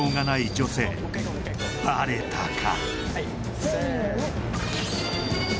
女性バレたか？